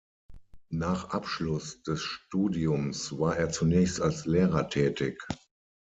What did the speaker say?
Nach Abschluss des Studiums war er zunächst als Lehrer tätig.